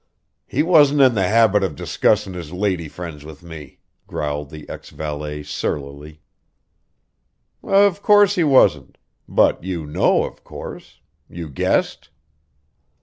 "He wasn't in the habit of discussin' his lady friends with me," growled the ex valet surlily. "Of course he wasn't; but you know, of course? You guessed?"